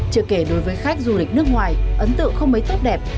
chưa kể đối với khách du lịch nước ngoài ấn tượng không mấy tốt đẹp